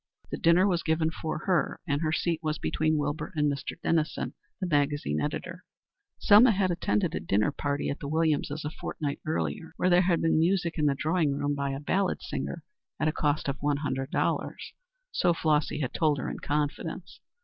The dinner was given for her, and her seat was between Wilbur and Mr. Dennison, the magazine editor. Selma had attended a dinner party at the Williamses a fortnight earlier where there had been music in the drawing room by a ballad singer at a cost of $100 (so Flossy had told her in confidence).